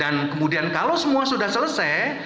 kemudian kalau semua sudah selesai